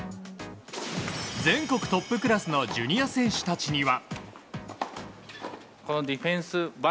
全国トップクラスのジュニア選手たちには。